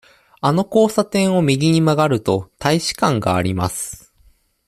あの交差点を右に曲がると、大使館があります。